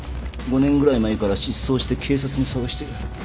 ５年ぐらい前から失踪して警察も捜してる